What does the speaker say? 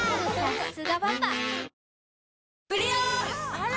あら！